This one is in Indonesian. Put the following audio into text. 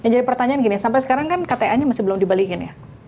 jadi pertanyaan gini sampai sekarang kan kta nya masih belum dibalikin ya